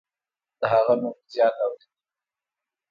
د هغه نوم مې زیات اوریدلی